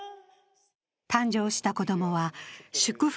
誕生した子供は祝福